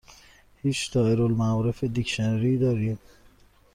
هیچ دائره المعارف دیکشنری دارید؟